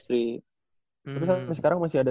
sri tapi sampai sekarang masih ada